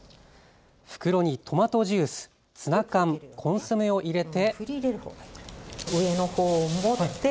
袋にトマトジュース、ツナ缶、コンソメを入れて。